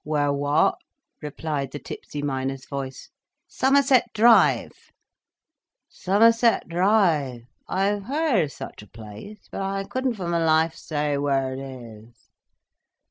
"Where what?" replied the tipsy miner's voice. "Somerset Drive." "Somerset Drive!—I've heard o' such a place, but I couldn't for my life say where it is.